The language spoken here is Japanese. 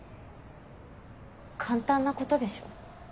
簡単なことでしょ？